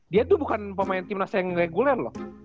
dia tuh bukan pemain timnas yang reguler loh